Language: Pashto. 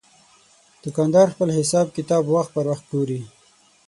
دوکاندار خپل حساب کتاب وخت پر وخت ګوري.